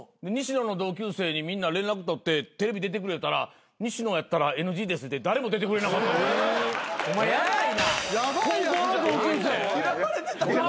西野の同級生にみんな連絡取ってテレビ出てくれ言うたら「西野やったらＮＧです」って誰も出てくれなかった。